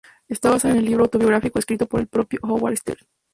Está basada en el libro autobiográfico escrito por el propio Howard Stern.